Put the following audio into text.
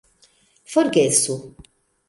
forgesu